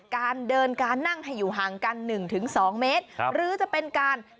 การเดินการนั่งให้อยู่ห่างกัน๑๒เมตร